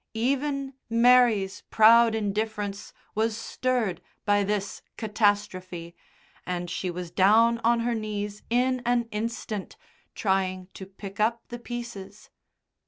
Even Mary's proud indifference was stirred by this catastrophe, and she was down on her knees in an instant, trying to pick up the pieces.